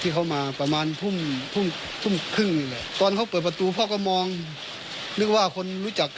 เค้าไม่เคยจัดการเนื้อที่ฉันอยู่